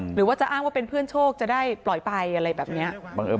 หรือว่าจะอ้างว่าเป็นเพื่อนโชคจะได้ปล่อยไปอะไรแบบนี้